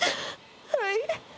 はい。